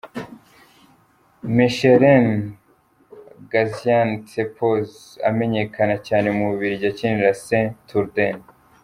Mechelen, Gaziantepspor, amenyekana cyane mu Bubiligi akinira Sint-Truiden.